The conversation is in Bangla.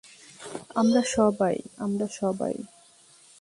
আমরা সবাই, - আমরা সবাই।